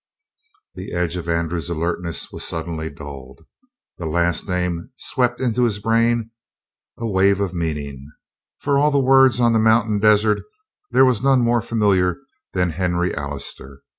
The edge of Andrew's alertness was suddenly dulled. The last name swept into his brain a wave of meaning, for of all words on the mountain desert there was none more familiar than Henry Allister.